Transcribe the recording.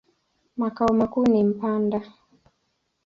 Makao makuu ni Mpanda.